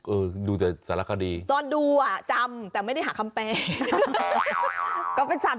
เออดูแต่สารคดีตอนดูอ่ะจำแต่ไม่ได้หาคำแปลก็เป็นสัตว์